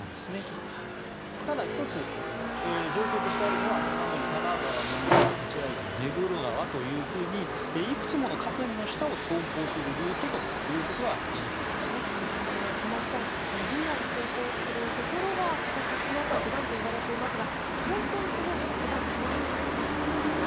ただ、１つ状況としてあるのは多摩川、呑川、立会川目黒川というふうにいくつもの河川の下を走行するルートであることはリニアが走行するところは硬く締まった地盤といわれていますが本当にその地盤は不安はないのでしょうか。